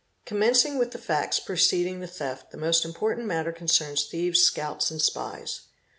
Commencing with the facts preceding the theft the most important matter concerns thieves' scouts and spies.